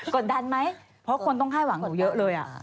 ดดันไหมเพราะคนต้องค่ายหวังหนูเยอะเลย